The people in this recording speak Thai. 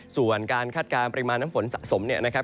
ส่วนการคาดการณ์ปริมาณน้ำฝนสะสมเนี่ยนะครับ